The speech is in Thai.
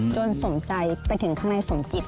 สมใจไปถึงข้างในสมจิต